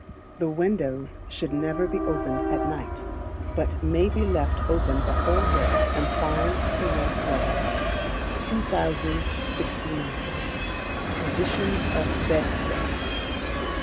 The Windows should never be opened at night, but may be left open the whole day in fine clear weather. 2069. Position of Bedstead.